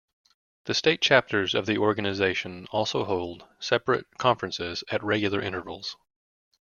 The state chapters of the organisation also hold separate conferences at regular intervals.